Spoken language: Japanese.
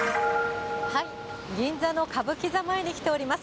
銀座の歌舞伎座前に来ております。